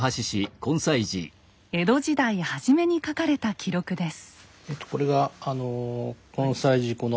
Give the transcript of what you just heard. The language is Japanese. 江戸時代初めに書かれた記録です。